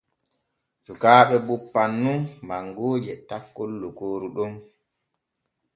Cukaaɓe boppan nun mangooje takkol lokooru ɗon.